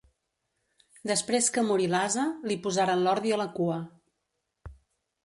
Després que morí l'ase, li posaren l'ordi a la cua.